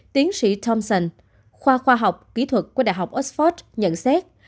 tiến sĩ thompson khoa khoa học kỹ thuật của đại học oxford nhận xét